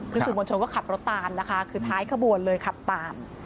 คือสื่อมวลชนก็ขับรถตามนะคะคือท้ายขบวนเลยขับตาม